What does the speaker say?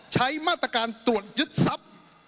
ใช้มาตรการตรวจยึดซับ